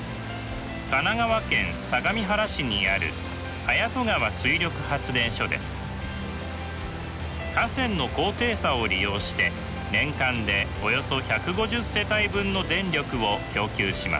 神奈川県相模原市にある河川の高低差を利用して年間でおよそ１５０世帯分の電力を供給します。